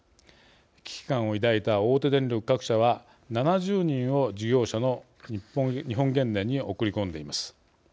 危機感を抱いた大手電力各社は７０人を事業者の日本原燃に送り込んでいます。